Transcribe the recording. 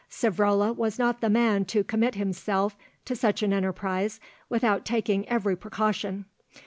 Savrola was not the man to commit himself to such an enterprise without taking every precaution.